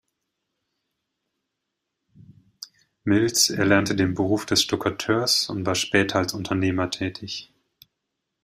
Milz erlernte den Beruf des Stuckateurs und war später als Unternehmer tätig.